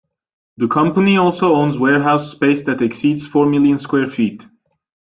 The company also owns warehouse space that exceeds four million square feet.